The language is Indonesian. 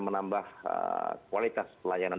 menambah kualitas pelayanan